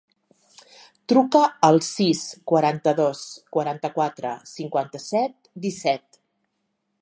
Truca al sis, quaranta-dos, quaranta-quatre, cinquanta-set, disset.